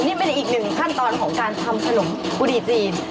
นี่เป็นอีกหนึ่งขั้นตอนของการทำขนมบุหรี่จีน